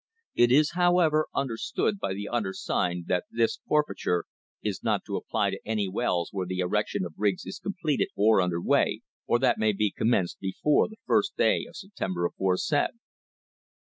It is, however, under stood by the undersigned that this forfeiture is not to apply to any wells where the erection of rigs is completed or under way, or that may be commenced before the first day of September aforesaid.